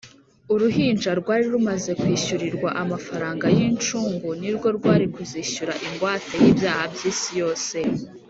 Uruhinja rwari rumaze kwishyurirwa amafaranga y’incungu ni rwo rwari kuzishyura ingwate y’ibyaha by’isi yose.